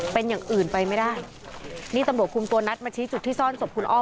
เป็นอย่างอื่นไปไม่ได้นี่ตำรวจคุมตัวนัทมาชี้จุดที่ซ่อนศพคุณอ้อม